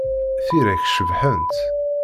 Tira-k cebḥent!